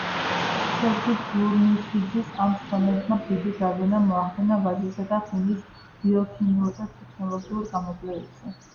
სერგი დურმიშიძის ამ შრომებმა დიდი გავლენა მოახდინა ვაზისა და ღვინის ბიოქიმიურ და ტექნოლოგიურ გამოკვლევებზე.